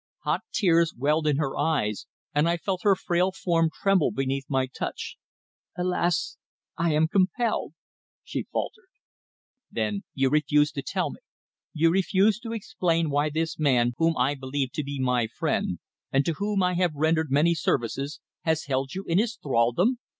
Hot tears welled in her eyes, and I felt her frail form tremble beneath my touch. "Alas! I am compelled," she faltered. "Then you refuse to tell me you refuse to explain why this man whom I believed to be my friend, and to whom I have rendered many services, has held you in his thraldom?"